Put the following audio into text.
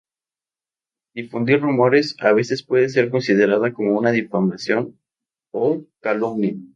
Difundir rumores, a veces, puede ser considerado como una difamación o calumnia.